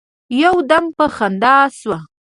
يو دم په خندا سو.